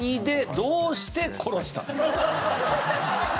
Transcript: どうして殺した。